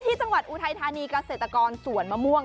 ที่จังหวัดอุทัยธานีกาเศรษฐกรสวนมะม่วง